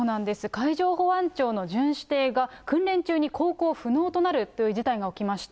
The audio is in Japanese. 海上保安庁の巡視艇が、訓練中に航行不能となるという事態が起きました。